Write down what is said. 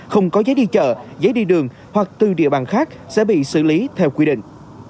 không có giấy đi chợ giấy đi đường hoặc từ địa bàn khác sẽ bị xử lý theo quy định